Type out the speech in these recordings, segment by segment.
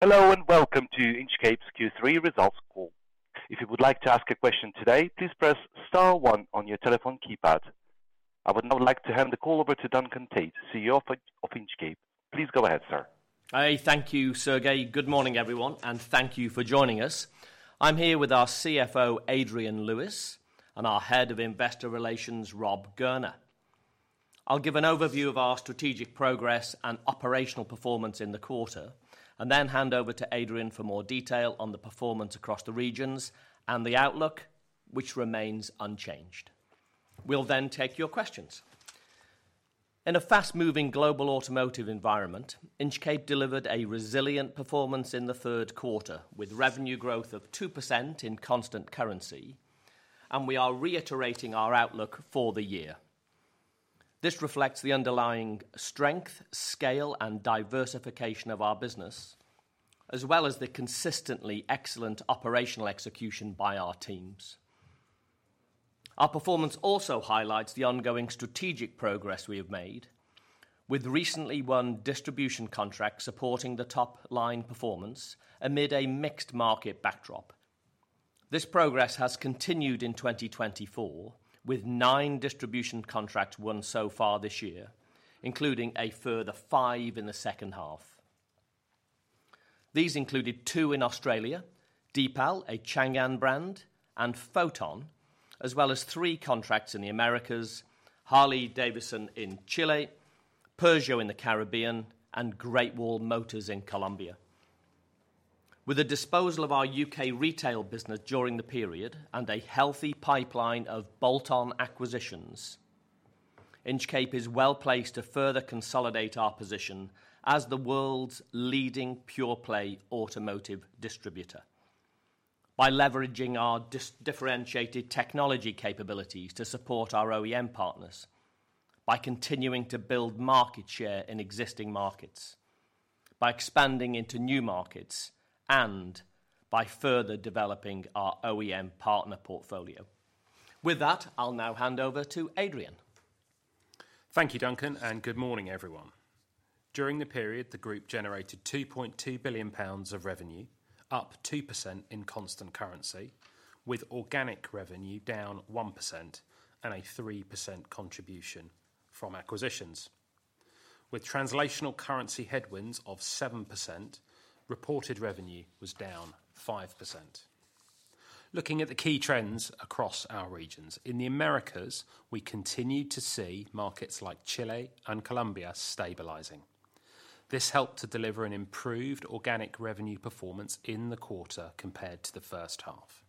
Hello, and welcome to Inchcape's Q3 Results Call. If you would like to ask a question today, please press star one on your telephone keypad. I would now like to hand the call over to Duncan Tait, CEO of Inchcape. Please go ahead, sir. Hi. Thank you, Sergey. Good morning, everyone, and thank you for joining us. I'm here with our CFO, Adrian Lewis, and our Head of Investor Relations, Rob Gurner. I'll give an overview of our strategic progress and operational performance in the quarter, and then hand over to Adrian for more detail on the performance across the regions and the outlook, which remains unchanged. We'll then take your questions. In a fast-moving global automotive environment, Inchcape delivered a resilient performance in the third quarter, with revenue growth of 2% in constant currency, and we are reiterating our outlook for the year. This reflects the underlying strength, scale, and diversification of our business, as well as the consistently excellent operational execution by our teams. Our performance also highlights the ongoing strategic progress we have made, with recently won distribution contracts supporting the top-line performance amid a mixed market backdrop. This progress has continued in 2024, with nine distribution contracts won so far this year, including a further five in the second half. These included two in Australia, Deepal, a Changan brand, and Foton, as well as three contracts in the Americas, Harley-Davidson in Chile, Peugeot in the Caribbean, and Great Wall Motors in Colombia. With the disposal of our U.K. retail business during the period and a healthy pipeline of bolt-on acquisitions, Inchcape is well-placed to further consolidate our position as the world's leading pure-play automotive distributor. By leveraging our differentiated technology capabilities to support our OEM partners, by continuing to build market share in existing markets, by expanding into new markets, and by further developing our OEM partner portfolio. With that, I'll now hand over to Adrian. Thank you, Duncan, and good morning, everyone. During the period, the group generated 2.2 billion pounds of revenue, up 2% in constant currency, with organic revenue down 1% and a 3% contribution from acquisitions. With translational currency headwinds of 7%, reported revenue was down 5%. Looking at the key trends across our regions, in the Americas, we continued to see markets like Chile and Colombia stabilizing. This helped to deliver an improved organic revenue performance in the quarter compared to the first half.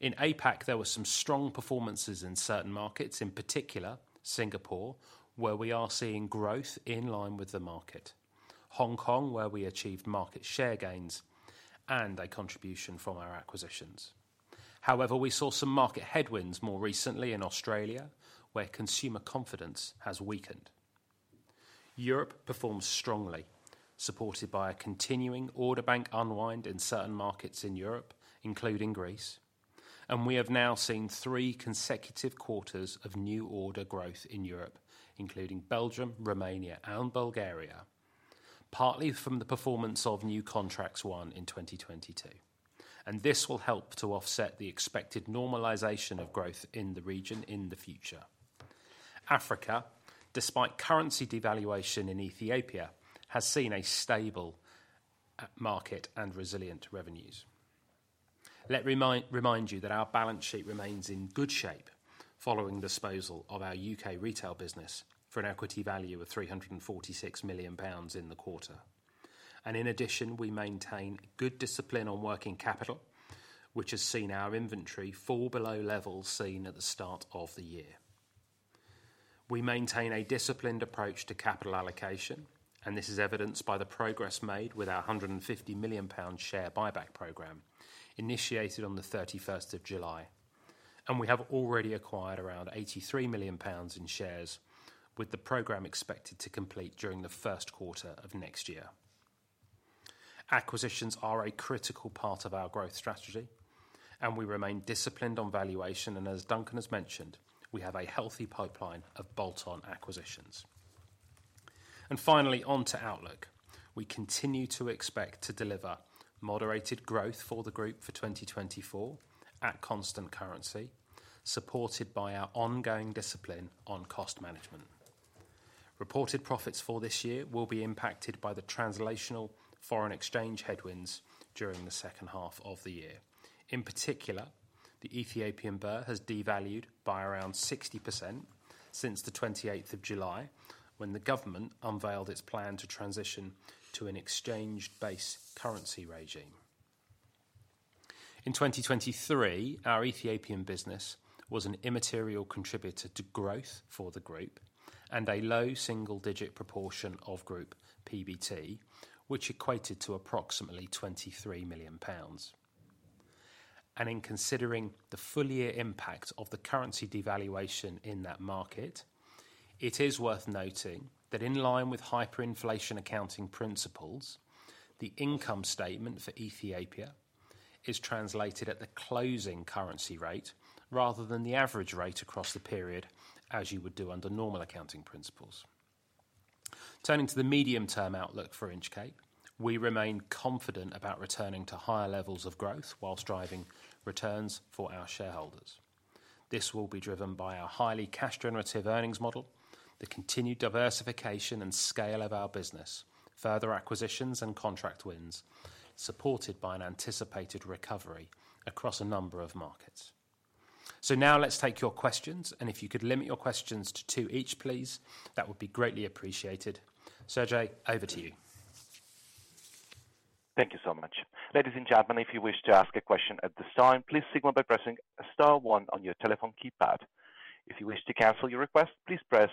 In APAC, there were some strong performances in certain markets, in particular, Singapore, where we are seeing growth in line with the market. Hong Kong, where we achieved market share gains and a contribution from our acquisitions. However, we saw some market headwinds more recently in Australia, where consumer confidence has weakened. Europe performed strongly, supported by a continuing order bank unwind in certain markets in Europe, including Greece, and we have now seen three consecutive quarters of new order growth in Europe, including Belgium, Romania, and Bulgaria, partly from the performance of new contracts won in 2022, and this will help to offset the expected normalization of growth in the region in the future. Africa, despite currency devaluation in Ethiopia, has seen a stable market and resilient revenues. Let me remind you that our balance sheet remains in good shape following the disposal of our U.K. retail business for an equity value of 346 million pounds in the quarter. In addition, we maintain good discipline on working capital, which has seen our inventory fall below levels seen at the start of the year. We maintain a disciplined approach to capital allocation, and this is evidenced by the progress made with our 150 million pound share buyback program, initiated on the 31st of July. And we have already acquired around 83 million pounds in shares, with the program expected to complete during the first quarter of next year. Acquisitions are a critical part of our growth strategy, and we remain disciplined on valuation, and as Duncan has mentioned, we have a healthy pipeline of bolt-on acquisitions. And finally, on to outlook. We continue to expect to deliver moderated growth for the group for 2024 at constant currency, supported by our ongoing discipline on cost management. Reported profits for this year will be impacted by the translational currency headwinds during the second half of the year. In particular, the Ethiopian birr has devalued by around 60% since the 28th of July, when the government unveiled its plan to transition to an exchange-based currency regime. In 2023, our Ethiopian business was an immaterial contributor to growth for the group and a low single-digit proportion of group PBT, which equated to approximately 23 million pounds. In considering the full year impact of the currency devaluation in that market, it is worth noting that in line with hyperinflation accounting principles, the income statement for Ethiopia-... is translated at the closing currency rate rather than the average rate across the period, as you would do under normal accounting principles. Turning to the medium-term outlook for Inchcape, we remain confident about returning to higher levels of growth whilst driving returns for our shareholders. This will be driven by our highly cash generative earnings model, the continued diversification and scale of our business, further acquisitions and contract wins, supported by an anticipated recovery across a number of markets. So now let's take your questions, and if you could limit your questions to two each, please, that would be greatly appreciated. Sergey, over to you. Thank you so much. Ladies and gentlemen, if you wish to ask a question at this time, please signal by pressing star one on your telephone keypad. If you wish to cancel your request, please press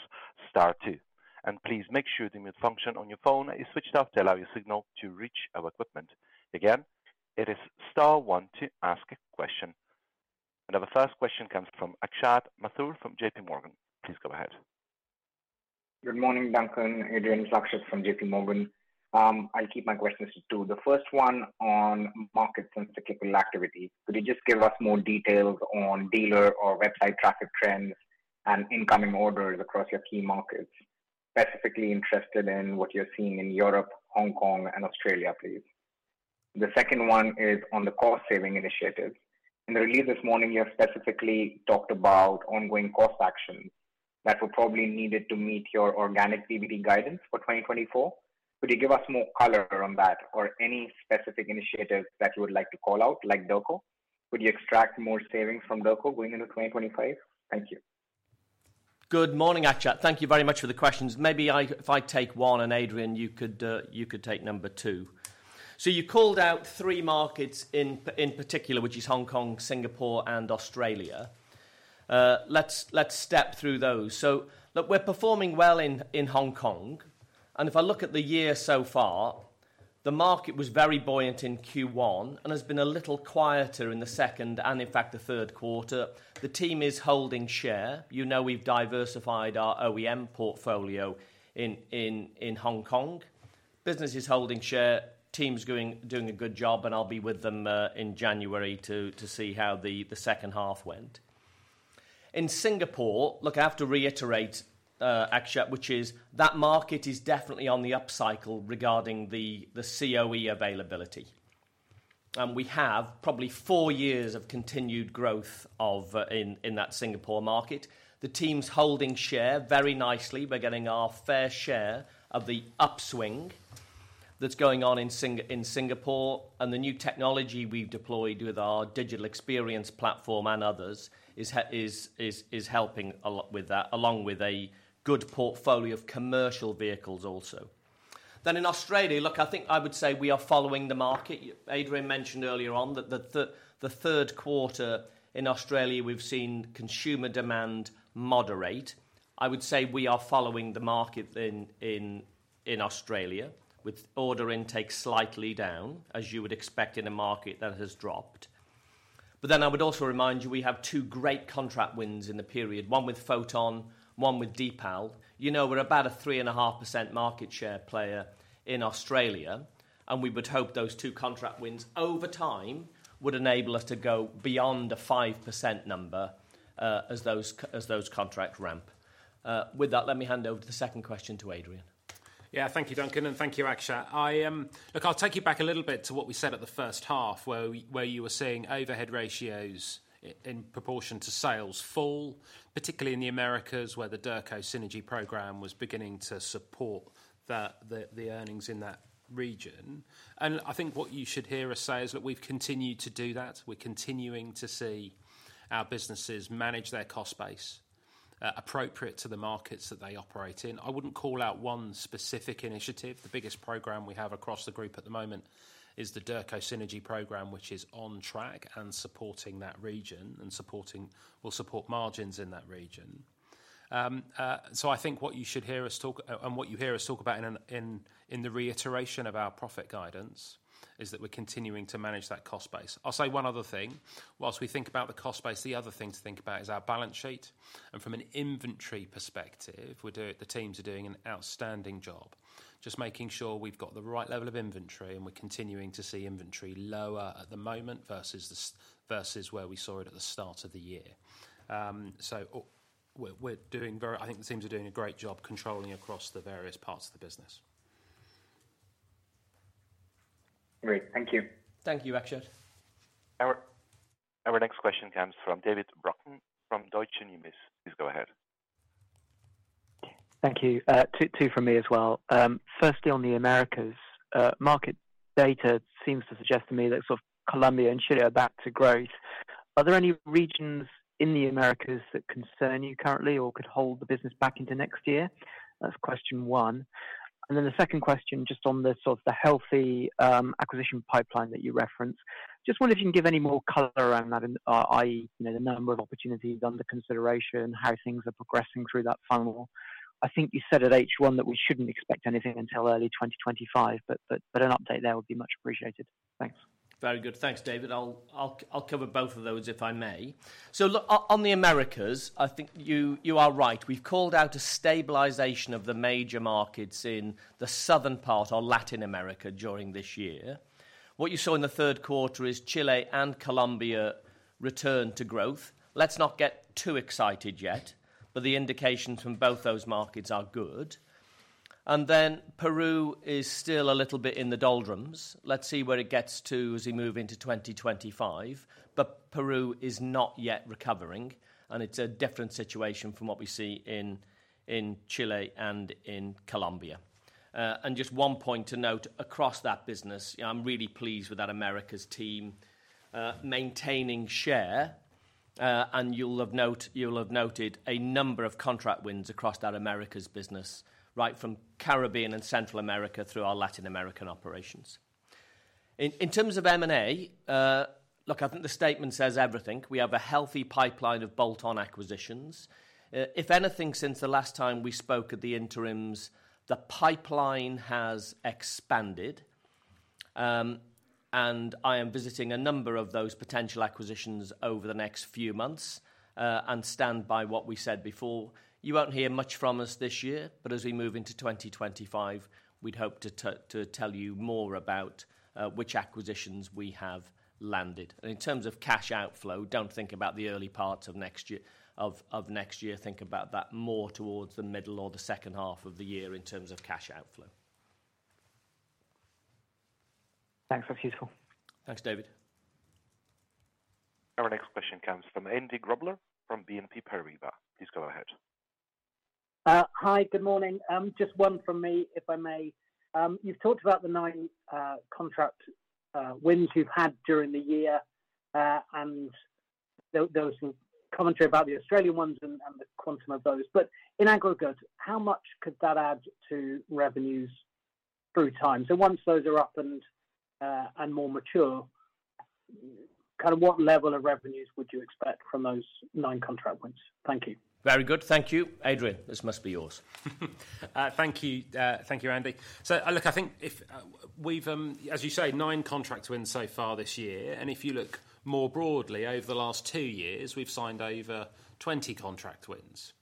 star two, and please make sure the mute function on your phone is switched off to allow your signal to reach our equipment. Again, it is star one to ask a question. And our first question comes from Akshat Mathur from J.P. Morgan. Please go ahead. Good morning, Duncan, Adrian. It's Akshat from J.P. Morgan. I'll keep my questions to two. The first one on market sensitivity activity. Could you just give us more details on dealer or website traffic trends and incoming orders across your key markets? Specifically interested in what you're seeing in Europe, Hong Kong and Australia, please. The second one is on the cost-saving initiatives. In the release this morning, you have specifically talked about ongoing cost actions that were probably needed to meet your organic PBT guidance for 2024. Could you give us more color around that or any specific initiatives that you would like to call out, like Derco? Would you extract more savings from Derco going into 2025? Thank you. Good morning, Akshat. Thank you very much for the questions. Maybe if I take one, and, Adrian, you could take number two. So you called out three markets in particular, which is Hong Kong, Singapore, and Australia. Let's step through those. So, look, we're performing well in Hong Kong, and if I look at the year so far, the market was very buoyant in Q1 and has been a little quieter in the second and, in fact, the third quarter. The team is holding share. You know, we've diversified our OEM portfolio in Hong Kong. Business is holding share, team's doing a good job, and I'll be with them in January to see how the second half went. In Singapore, look, I have to reiterate, Akshat, which is that market is definitely on the upcycle regarding the COE availability. And we have probably four years of continued growth of in that Singapore market. The team's holding share very nicely. We're getting our fair share of the upswing that's going on in Singapore, and the new technology we've deployed with our digital experience platform and others is helping a lot with that, along with a good portfolio of commercial vehicles also. Then in Australia, look, I think I would say we are following the market. Adrian mentioned earlier on that the third quarter in Australia, we've seen consumer demand moderate. I would say we are following the market in Australia, with order intake slightly down, as you would expect in a market that has dropped. But then I would also remind you, we have two great contract wins in the period, one with Foton, one with Deepal. You know, we're about a 3.5% market share player in Australia, and we would hope those two contract wins over time would enable us to go beyond the 5% number, as those contracts ramp. With that, let me hand over the second question to Adrian. Yeah. Thank you, Duncan, and thank you, Akshat. I. Look, I'll take you back a little bit to what we said at the first half, where you were seeing overhead ratios in proportion to sales fall, particularly in the Americas, where the Derco Synergy program was beginning to support the earnings in that region. I think what you should hear us say is that we've continued to do that. We're continuing to see our businesses manage their cost base appropriate to the markets that they operate in. I wouldn't call out one specific initiative. The biggest program we have across the group at the moment is the Derco Synergy program, which is on track and supporting that region, and will support margins in that region. I think what you should hear us talk and what you hear us talk about in the reiteration of our profit guidance is that we're continuing to manage that cost base. I'll say one other thing. Whilst we think about the cost base, the other thing to think about is our balance sheet, and from an inventory perspective, the teams are doing an outstanding job, just making sure we've got the right level of inventory, and we're continuing to see inventory lower at the moment versus where we saw it at the start of the year. I think the teams are doing a great job controlling across the various parts of the business. Great. Thank you. Thank you, Akshat. Our next question comes from David Brockton from Deutsche Bank. Please go ahead. Thank you. Two from me as well. Firstly, on the Americas, market data seems to suggest to me that sort of Colombia and Chile are back to growth. Are there any regions in the Americas that concern you currently or could hold the business back into next year? That's question one. And then the second question, just on the sort of healthy acquisition pipeline that you referenced. Just wonder if you can give any more color around that, and i.e., you know, the number of opportunities under consideration, how things are progressing through that funnel? I think you said at H1 that we shouldn't expect anything until early 2025, but an update there would be much appreciated. Thanks. Very good. Thanks, David. I'll cover both of those, if I may. So look, on the Americas, I think you are right. We've called out a stabilization of the major markets in the southern part of Latin America during this year. What you saw in the third quarter is Chile and Colombia return to growth. Let's not get too excited yet, but the indications from both those markets are good. And then Peru is still a little bit in the doldrums. Let's see where it gets to as we move into 2025. But Peru is not yet recovering, and it's a different situation from what we see in Chile and in Colombia. And just one point to note, across that business, I'm really pleased with that Americas team maintaining share. And you'll have noted a number of contract wins across that Americas business, right from Caribbean and Central America through our Latin American operations. In terms of M&A, look, I think the statement says everything. We have a healthy pipeline of bolt-on acquisitions. If anything, since the last time we spoke at the Interims, the pipeline has expanded, and I am visiting a number of those potential acquisitions over the next few months, and stand by what we said before. You won't hear much from us this year, but as we move into 2025, we'd hope to tell you more about which acquisitions we have landed. And in terms of cash outflow, don't think about the early part of next year, next year. Think about that more towards the middle or the second half of the year in terms of cash outflow. Thanks. That's useful. Thanks, David. Our next question comes from Andy Grobler from BNP Paribas. Please go ahead. Hi, good morning. Just one from me, if I may. You've talked about the nine contract wins you've had during the year, and there was some commentary about the Australian ones and the quantum of those. But in aggregate, how much could that add to revenues through time? So once those are up and more mature, kind of what level of revenues would you expect from those nine contract wins? Thank you. Very good. Thank you. Adrian, this must be yours. Thank you. Thank you, Andy. As you say, nine contract wins so far this year, and if you look more broadly, over the last two years, we've signed over 20 contract wins.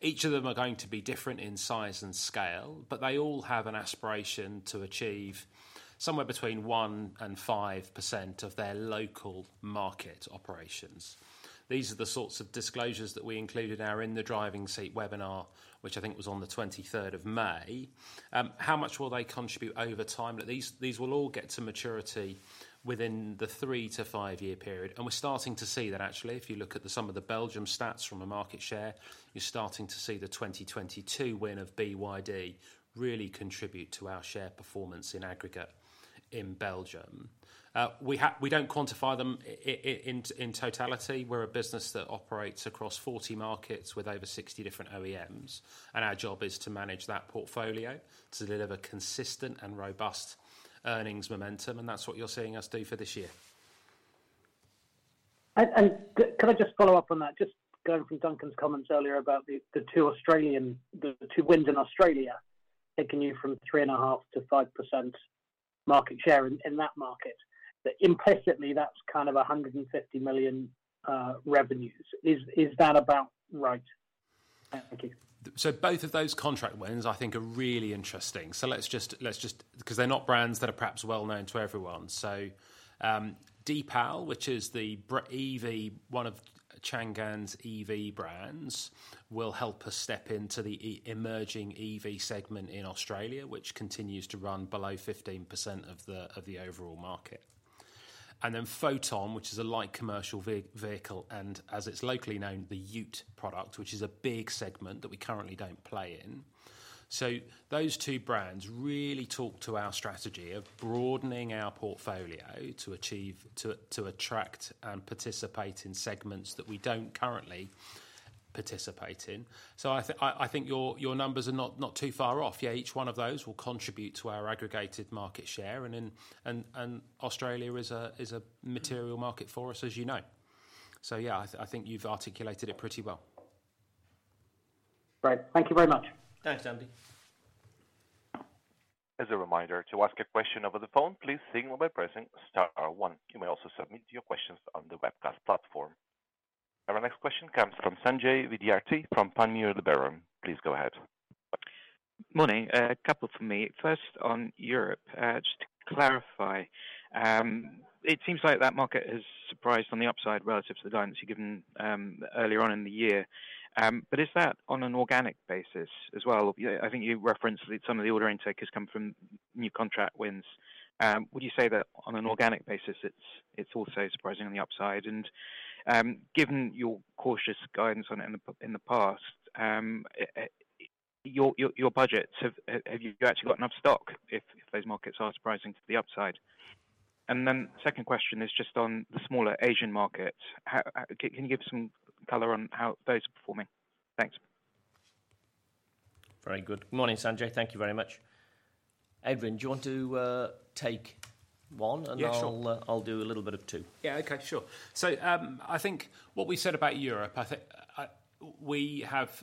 Each of them are going to be different in size and scale, but they all have an aspiration to achieve somewhere between 1% and 5% of their local market operations. These are the sorts of disclosures that we included in our In the Driving Seat webinar, which I think was on the 23rd of May. How much will they contribute over time? These will all get to maturity within the 3-5-year period, and we're starting to see that actually. If you look at some of the Belgium stats from a market share, you're starting to see the 2022 win of BYD really contribute to our share performance in aggregate in Belgium. We don't quantify them in totality. We're a business that operates across forty markets with over sixty different OEMs, and our job is to manage that portfolio to deliver consistent and robust earnings momentum, and that's what you're seeing us do for this year. Can I just follow up on that? Just going from Duncan's comments earlier about the two Australian wins in Australia, taking you from 3.5% to 5% market share in that market. But implicitly, that's kind of 150 million revenues. Is that about right? Thank you. So both of those contract wins, I think, are really interesting. Let's just, because they're not brands that are perhaps well known to everyone. So Deepal, which is the EV brand, one of Changan's EV brands, will help us step into the emerging EV segment in Australia, which continues to run below 15% of the overall market. And then Foton, which is a light commercial vehicle, and as it's locally known, the ute product, which is a big segment that we currently don't play in. So those two brands really talk to our strategy of broadening our portfolio to achieve, to attract and participate in segments that we don't currently participate in. So I think your numbers are not too far off. Yeah, each one of those will contribute to our aggregated market share, and Australia is a material market for us, as you know, so yeah, I think you've articulated it pretty well. Great. Thank you very much. Thanks, Andy. As a reminder, to ask a question over the phone, please signal by pressing star one. You may also submit your questions on the webcast platform. Our next question comes from Sanjay Vidyarthi from Panmure Gordon. Please go ahead. Morning. A couple from me. First, on Europe, just to clarify, it seems like that market has surprised on the upside relative to the guidance you've given, earlier on in the year. But is that on an organic basis as well? I think you referenced that some of the order intake has come from new contract wins. Would you say that on an organic basis, it's also surprising on the upside? Given your cautious guidance on it in the past, your budgets, have you actually got enough stock if those markets are surprising to the upside? Then second question is just on the smaller Asian markets. Can you give some color on how those are performing? Thanks. Very good. Morning, Sanjay. Thank you very much. Adrian, do you want to take one? Yeah, sure. And I'll do a little bit of two. Yeah. Okay, sure. So, I think what we said about Europe, I think, we have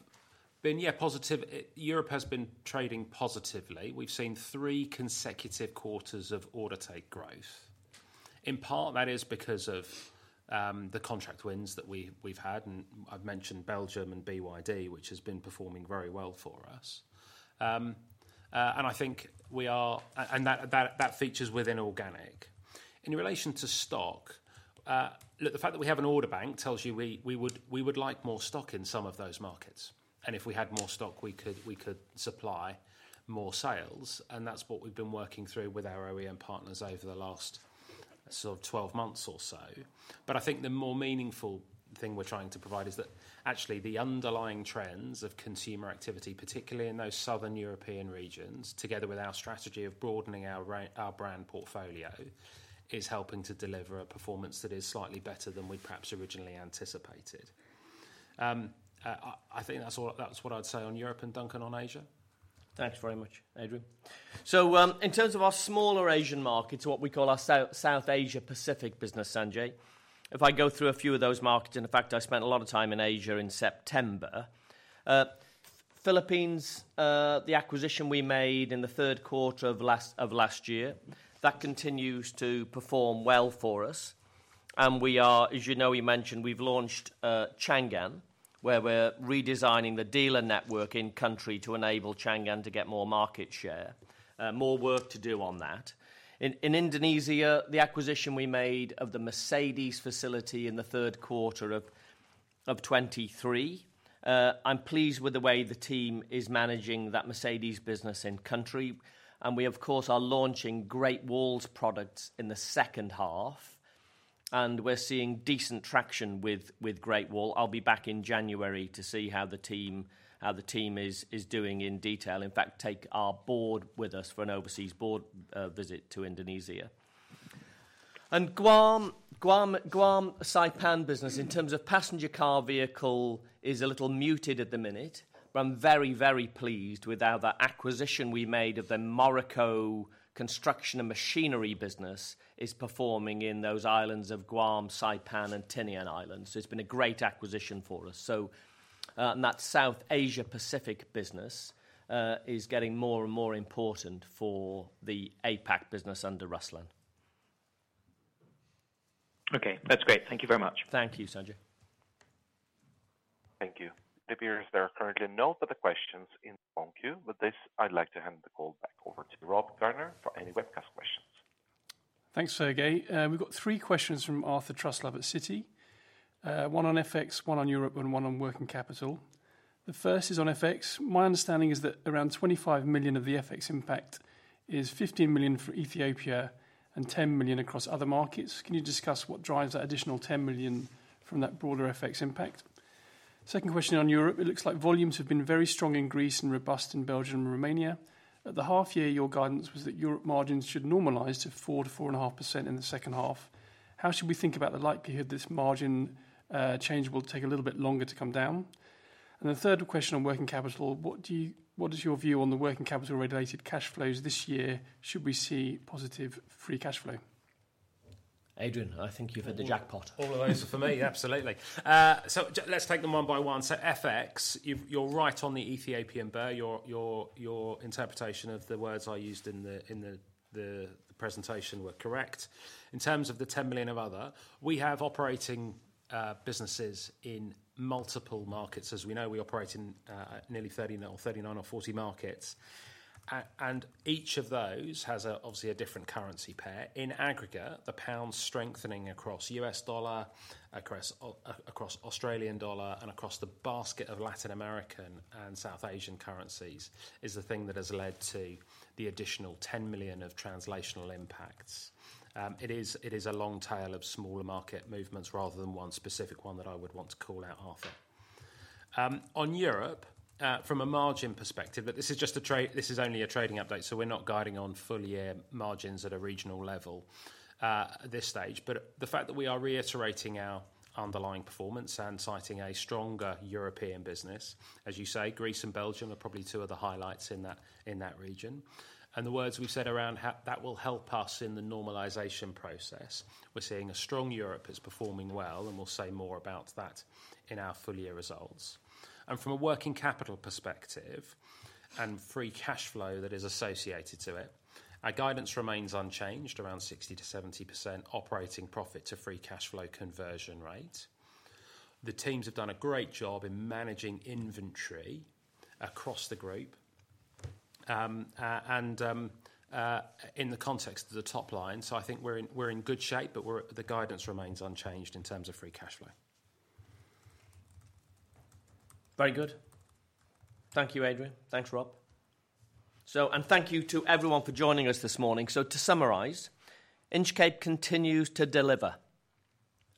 been positive. Europe has been trading positively. We've seen three consecutive quarters of order intake growth. In part, that is because of the contract wins that we've had, and I've mentioned Belgium and BYD, which has been performing very well for us. And I think that features within organic. In relation to stock, look, the fact that we have an order bank tells you we would like more stock in some of those markets, and if we had more stock, we could supply more sales, and that's what we've been working through with our OEM partners over the last sort of twelve months or so. But I think the more meaningful thing we're trying to provide is that actually, the underlying trends of consumer activity, particularly in those southern European regions, together with our strategy of broadening our brand portfolio, is helping to deliver a performance that is slightly better than we perhaps originally anticipated. I think that's what I'd say on Europe and Duncan on Asia. Thanks very much, Adrian. In terms of our smaller Asian markets, what we call our South Asia Pacific business, Sanjay, if I go through a few of those markets, and in fact, I spent a lot of time in Asia in September. Philippines, the acquisition we made in the third quarter of last year, that continues to perform well for us, and we are. As you know, we mentioned, we've launched Changan, where we're redesigning the dealer network in country to enable Changan to get more market share. More work to do on that. In Indonesia, the acquisition we made of the Mercedes facility in the third quarter of 2023, I'm pleased with the way the team is managing that Mercedes business in country, and we, of course, are launching Great Wall's products in the second half, and we're seeing decent traction with Great Wall. I'll be back in January to see how the team is doing in detail. In fact, take our board with us for an overseas board visit to Indonesia. Guam, Saipan business, in terms of passenger car vehicle, is a little muted at the minute, but I'm very, very pleased with how the acquisition we made of the Morrico construction and machinery business is performing in those islands of Guam, Saipan, and Tinian Islands. So it's been a great acquisition for us. So, and that South Asia Pacific business is getting more and more important for the APAC business under Ruslan. Okay, that's great. Thank you very much. Thank you, Sanjay. Thank you. It appears there are currently no further questions in the phone queue. With this, I'd like to hand the call back over to Rob Gurner for any webcast questions. Thanks, Sergey. We've got three questions from Arthur Truslove at Citi. One on FX, one on Europe, and one on working capital. The first is on FX. My understanding is that around 25 million of the FX impact is 15 million for Ethiopia and 10 million across other markets. Can you discuss what drives that additional 10 million from that broader FX impact? Second question on Europe. It looks like volumes have been very strong in Greece and robust in Belgium and Romania. At the half year, your guidance was that Europe margins should normalize to 4%-4.5% in the second half. How should we think about the likelihood this margin change will take a little bit longer to come down? And the third question on working capital: What do you... What is your view on the working capital-related cash flows this year? Should we see positive free cash flow? Adrian, I think you've hit the jackpot. Absolutely. Let's take them one by one. So FX, you're right on the Ethiopian birr. Your interpretation of the words I used in the presentation were correct. In terms of the 10 million of other, we have operating businesses in multiple markets. As we know, we operate in nearly 30 or 39 or 40 markets, and each of those has obviously a different currency pair. In aggregate, the pound strengthening across U.S. dollar, across Australian dollar, and across the basket of Latin American and South Asian currencies, is the thing that has led to the additional 10 million of translational impacts. It is a long tail of smaller market movements rather than one specific one that I would want to call out, Arthur. On Europe, from a margin perspective, but this is just a trading update, so we're not guiding on full-year margins at a regional level at this stage. But the fact that we are reiterating our underlying performance and citing a stronger European business, as you say, Greece and Belgium are probably two of the highlights in that region. And the words we've said around that will help us in the normalization process. We're seeing a strong Europe is performing well, and we'll say more about that in our full-year results. And from a working capital perspective, and free cash flow that is associated to it, our guidance remains unchanged, around 60%-70% operating profit to free cash flow conversion rate. The teams have done a great job in managing inventory across the group, and in the context of the top line, so I think we're in good shape, but we're... The guidance remains unchanged in terms of free cash flow. Very good. Thank you, Adrian. Thanks, Rob. And thank you to everyone for joining us this morning. To summarize, Inchcape continues to deliver,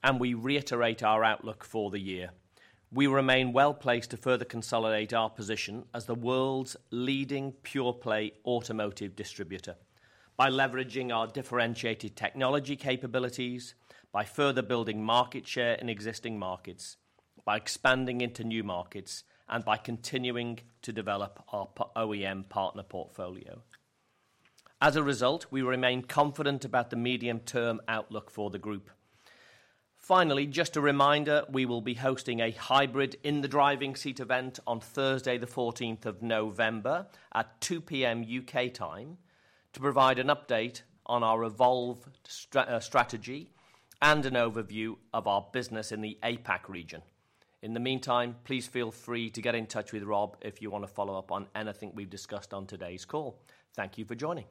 and we reiterate our outlook for the year. We remain well-placed to further consolidate our position as the world's leading pure-play automotive distributor by leveraging our differentiated technology capabilities, by further building market share in existing markets, by expanding into new markets, and by continuing to develop our OEM partner portfolio. As a result, we remain confident about the medium-term outlook for the group. Finally, just a reminder, we will be hosting a hybrid In the Driving Seat event on Thursday, the fourteenth of November at 2:00 P.M. U.K. time, to provide an update on our evolved strategy and an overview of our business in the APAC region. In the meantime, please feel free to get in touch with Rob if you want to follow up on anything we've discussed on today's call. Thank you for joining.